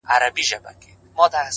• څه غزل څه قصیده وای,